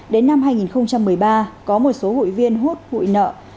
đến năm hai nghìn một mươi ba có một số hụi viên hốt hụi nợ